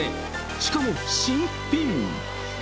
しかも、新品。